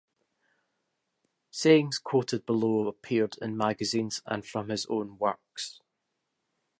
Sayings quoted below appeared in magazines and from his own works.